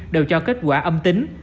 đều cho kết quả âm tính